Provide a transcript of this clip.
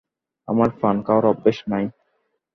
আমার পান খাওয়ার অভ্যাস নেই।